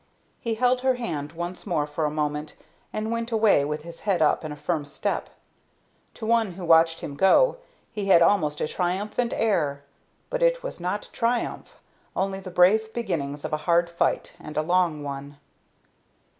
He held her hand once more for a moment, and went away with his head up and a firm step. To one who watched him go, he had almost a triumphant air, but it was not triumph, only the brave beginning of a hard fight and a long one.